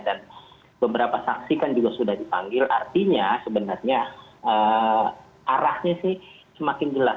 beberapa saksi kan juga sudah dipanggil artinya sebenarnya arahnya sih semakin jelas